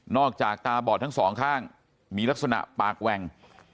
นอกจากตาบอดทั้ง๒ข้างมีลักษณะปากแวง